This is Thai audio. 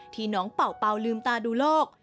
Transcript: น้องเป่าลืมตาดูโลก